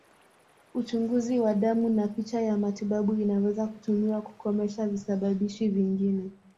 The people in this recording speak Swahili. Uchunguzi wa damu na picha ya matibabu inaweza kutumiwa kukomesha visababishi vingine.